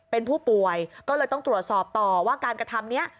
เป็นผู้ป่วยก็เลยต้องตรวจสอบต่อว่าการกระทำนี้